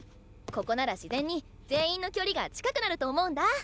ここなら自然に全員の距離が近くなると思うんだ。